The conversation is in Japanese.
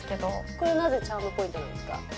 これ、なぜチャームポイントなんですか？